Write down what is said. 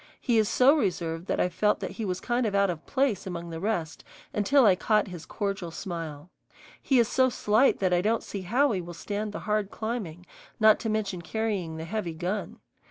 He is so reserved that I felt that he was kind of out of place among the rest until I caught his cordial smile. He is so slight that I don't see how he will stand the hard climbing, not to mention carrying the heavy gun.